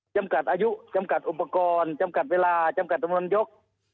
จำกัดอายุจำกัดอุปกรณ์จำกัดเวลาจำกัดจำนวนยก